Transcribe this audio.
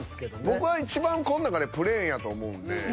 僕はいちばんこの中でプレーンやと思うんで。